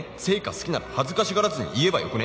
好きなら恥ずかしがらずに言えばよくね？」